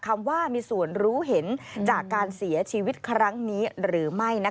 คำว่ามีส่วนรู้เห็นจากการเสียชีวิตครั้งนี้หรือไม่